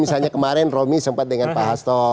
misalnya kemarin romi sempat dengan pak hasto